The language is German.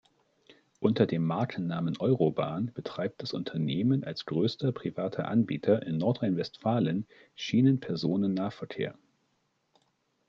Unter dem Markennamen eurobahn betreibt das Unternehmen als größter privater Anbieter in Nordrhein-Westfalen Schienenpersonennahverkehr.